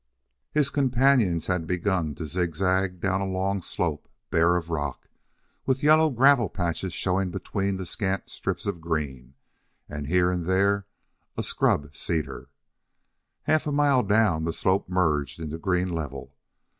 His companions had begun to zigzag down a long slope, bare of rock, with yellow gravel patches showing between the scant strips of green, and here and there a scrub cedar. Half a mile down, the slope merged into green level.